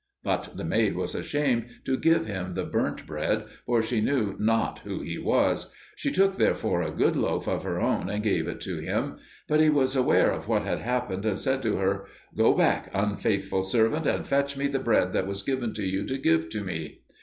But the maid was ashamed to give him the burnt bread, for she knew not who he was; she took, therefore, a good loaf of her own and gave it to him. But he was aware of what had happened, and said to her, "Go back, unfaithful servant, and fetch me the bread that was given to you to give to me!"